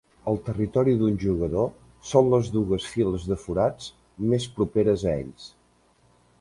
El territori d'un jugador són les dues files de forats més properes a ells.